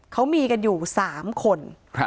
เขามีกันอยู่๓คน